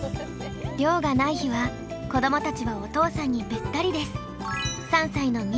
漁がない日は子どもたちはお父さんにべったりです。